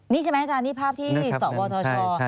นี่ใช่ไหมอาจารย์นี่ภาพที่สวทช